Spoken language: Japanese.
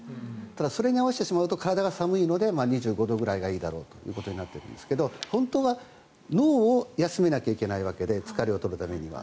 ただ、それに合わせてしまうと体が寒いので２５度くらいがいいだろうということになっているんですが本当は脳を休めなきゃいけないわけで疲れを取るためには。